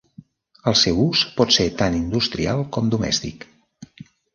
El seu ús pot ser tant industrial com domèstic.